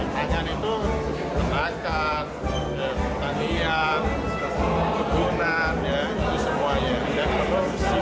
pangan itu penangan pertanian kegunaan dan kemuliaan